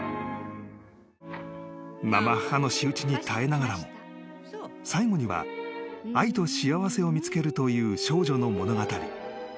［まま母の仕打ちに耐えながらも最後には愛と幸せを見つけるという少女の物語］